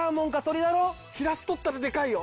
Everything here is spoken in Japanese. ひらす取ったらでかいよ。